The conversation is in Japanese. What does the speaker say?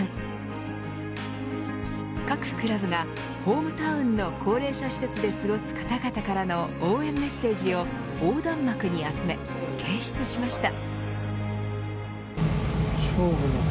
各クラブが、ホームタウンの高齢者施設で過ごす方々からの応援メッセージを横断幕に集め掲出しました。